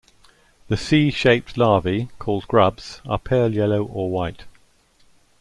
The C-shaped larvae, called grubs, are pale yellow or white.